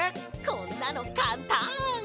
こんなのかんたん！